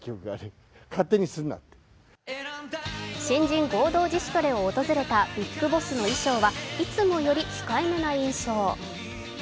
新人合同自主トレを訪れたビッグボスの衣装はいつもより控えめな印象。